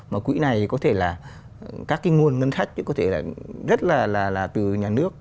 mà quỹ này có thể là các cái nguồn ngân sách thì có thể là rất là từ nhà nước